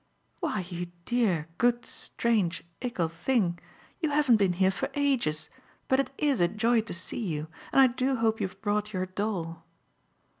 "Why you dear good strange 'ickle' thing, you haven't been here for ages, but it IS a joy to see you and I do hope you've brought your doll!"